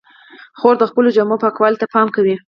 خور د خپلو جامو پاکوالي ته پام کوي.